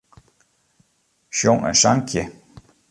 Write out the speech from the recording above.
Sjong in sankje.